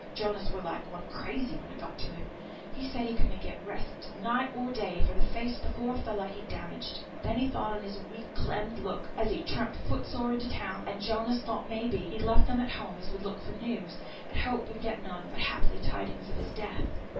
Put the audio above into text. Jonas were like one crazy when I got to him; he said he could na get rest night or day for th' face of the poor fellow he had damaged; then he thought on his weak, clemmed look, as he tramped, foot sore, into town; and Jonas thought, may be, he had left them at home as would look for news, and hope and get none, but, haply, tidings of his death.